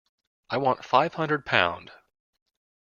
I want five hundred pound.